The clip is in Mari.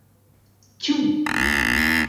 — Тю!